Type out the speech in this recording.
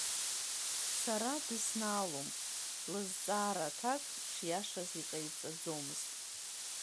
Сара дыснаалом, лызҵаара аҭак шиашаз иҟаиҵаӡомызт.